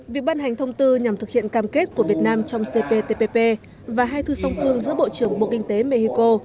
việc ban hành thông tư nhằm thực hiện cam kết của việt nam trong cptpp và hai thư song cương giữa bộ trưởng bộ kinh tế mexico